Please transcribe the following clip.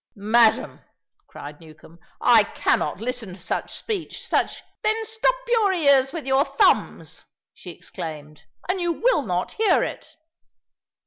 "Madam!" cried Newcombe, "I cannot listen to such speech, such " "Then stop your ears with your thumbs," she exclaimed, "and you will not hear it."